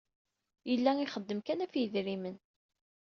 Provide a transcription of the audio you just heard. Yella ixeddem kan ɣef yedrimen.